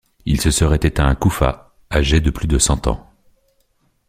Il se serait éteint à Koufa, âgé de plus de cent ans.